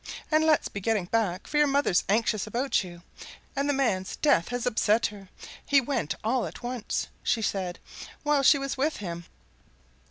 And let's be getting back, for your mother's anxious about you, and the man's death has upset her he went all at once, she said, while she was with him."